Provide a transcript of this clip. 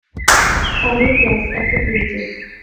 পানির গ্লাস, একটা পিরিচে।